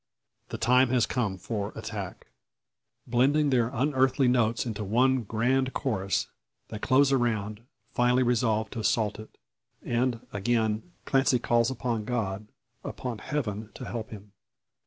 The time has come for attack. Blending their unearthly notes into one grand chorus they close around, finally resolved to assault it. And, again, Clancy calls upon God upon Heaven, to help him.